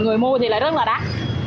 người mua thì lại rất là đắt